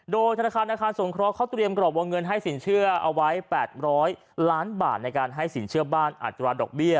โดยธนาคารอาคารสงเคราะห์เตรียมกรอบวงเงินให้สินเชื่อเอาไว้๘๐๐ล้านบาทในการให้สินเชื่อบ้านอัตราดอกเบี้ย